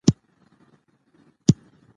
نسج اوس بدلېدلی دی.